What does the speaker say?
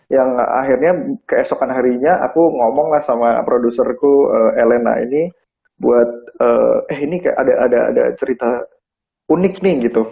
yang akhirnya keesokan harinya aku ngomong lah sama produserku elena ini buat eh ini kayak ada cerita unik nih gitu